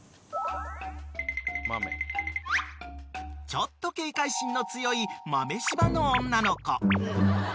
［ちょっと警戒心の強い豆柴の女の子］